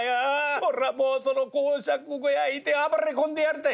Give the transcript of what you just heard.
おらもうその講釈小屋へ行て暴れ込んでやりたい！」。